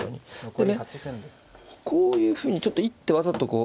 でねこういうふうにちょっと一手わざとこう。